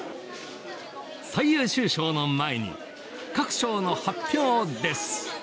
最優秀賞の前に各賞の発表です。